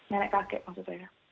nenek kakek maksudnya